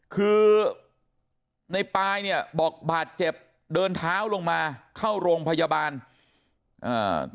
คือในปายเนี่ยบอกบาดเจ็บเดินเท้าลงมาเข้าโรงพยาบาลอ่า